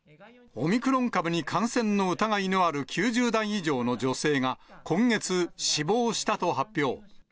オミクロン株に感染の疑いのある９０代以上の女性が、今月死亡したと発表。